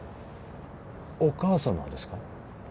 お母様ですか？